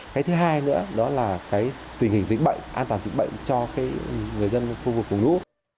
cái thứ hai nữa đó là cái tình hình dịch bệnh an toàn dịch bệnh cho người dân khu vực vùng lũ